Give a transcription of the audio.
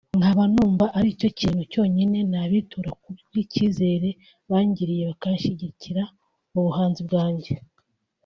nkaba numva aricyo kintu cyonyine nabitura ku bwicyizere bangiriye bakanshyigikira mu buhanzi bwanjye